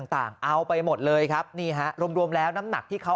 ต่างเอาไปหมดเลยครับนี่ฮะรวมรวมแล้วน้ำหนักที่เขา